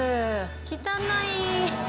汚い！